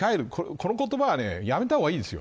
このこと言葉はやめた方がいいですよ。